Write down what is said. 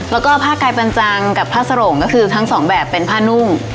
แล้วก็ผ้ากายปันจังกับผ้าสโรงก็คือทั้งสองแบบเป็นผ้านุ่ง